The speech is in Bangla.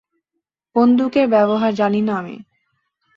বন্দুকের ব্যবহার জানি না আমি।